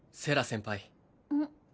先輩うん？